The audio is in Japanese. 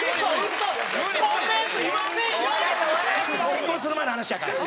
結婚する前の話やから。